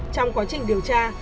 trong quá trình điều tra